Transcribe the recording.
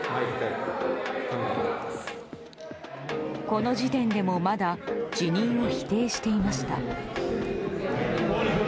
この時点でもまだ辞任を否定していました。